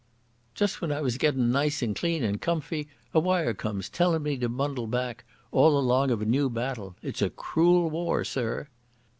"Just when I was gettin' nice and clean and comfy a wire comes tellin' me to bundle back, all along of a new battle. It's a cruel war, Sir."